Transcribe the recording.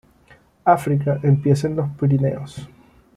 África empieza en los Pirineos